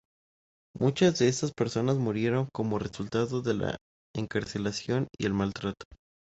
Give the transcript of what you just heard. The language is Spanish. Muchas de estas personas murieron como resultado de la encarcelación y el maltrato.